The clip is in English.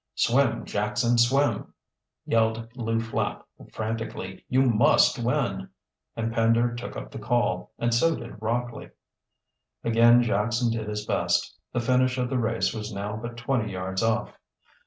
"Swim, Jackson, swim!" yelled Lew Flapp frantically. "You must win!" And Pender took up the call, and so did Rockley. Again Jackson did his best. The finish of the race was now but twenty yards off.